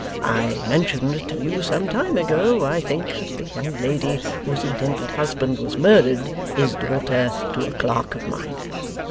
I mentioned to you some time ago, I think, that the young lady whose intended husband was murdered is daughter to a clerk of mine?